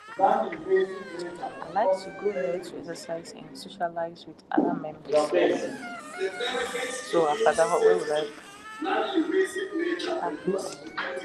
I like to go there to exercise and socialize with other members.